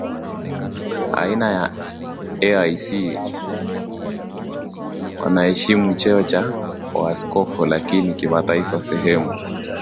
aina ya A I C wanaheshimu cheo cha Uaskofu Lakini kimataifa sehemu